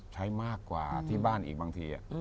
ใช้มากกว่าที่บ้านอีกบางที